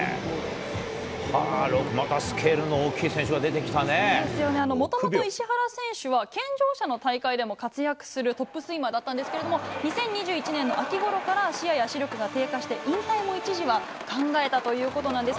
またスケールの大きい選手がもともと石原選手は、健常者の大会でも活躍するトップスイマーだったんですけれども、２０２１年の秋ごろから、視野や視力が低下して、引退も一時は考えたということなんです。